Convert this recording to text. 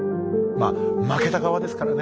まあ負けた側ですからね。